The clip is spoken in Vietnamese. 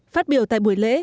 phát biểu tại buổi lễ